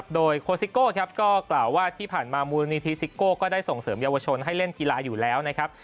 โดยโคซิโก้ก็กล่าวว่าที่ผ่านมามูลนิธิซิโก้ก็ได้ส่งเสริมเยาวชนให้เล่นกีฬาอยู่แล้วนะครับ